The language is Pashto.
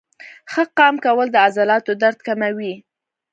ښه قام کول د عضلاتو درد کموي.